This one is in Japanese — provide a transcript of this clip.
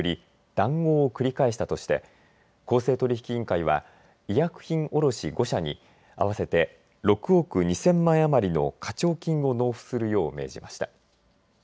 談合を繰り返したとして公正取引委員会は医薬品卸５社に合わせて６億２０００万円余りの課徴金を納付するよう命じました。